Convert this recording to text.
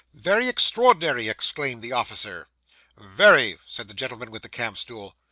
'Very extraordinary!' exclaimed the officer. 'Very,' said the gentleman with the camp stool.